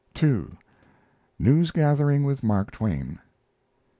II. NEWS GATHERING WITH MARK TWAIN.